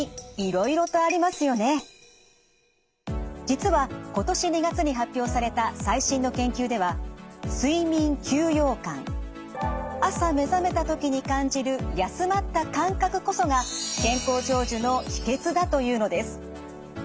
実は今年２月に発表された最新の研究では睡眠休養感朝目覚めたときに感じる休まった感覚こそが健康長寿の秘けつだというのです。